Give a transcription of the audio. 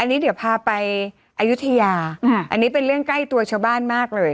อันนี้เดี๋ยวพาไปอายุทยาอันนี้เป็นเรื่องใกล้ตัวชาวบ้านมากเลย